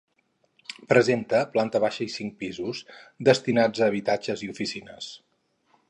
Presenta planta baixa i cinc pisos destinats a habitatges i oficines.